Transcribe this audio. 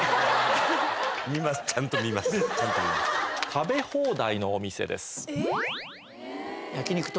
食べ放題のお店です。